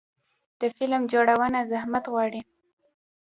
د فلم جوړونه زحمت غواړي.